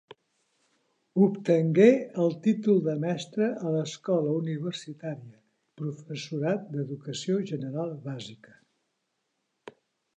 Obtengué el títol de mestre a l'Escola Universitària, Professorat d'Educació General Bàsica.